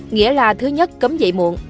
nghĩa là thứ nhất cấm dạy muộn